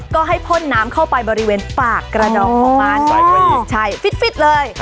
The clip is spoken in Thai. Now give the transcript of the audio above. ก็ให้พ่นน้ำเข้าไปบริเวณปากกระดองของมันใช่ฟิตฟิตเลย